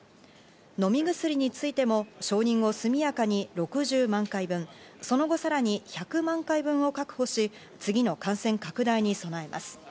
飲み薬についても承認後速やかに６０万回分、その後、さらに１００万回分を確保し、次の感染拡大に備えます。